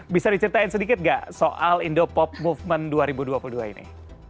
bisa diceritain sedikit nggak soal indo pop movement dua ribu dua puluh dua ini